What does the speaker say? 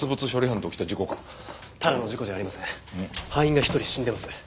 班員が１人死んでいます。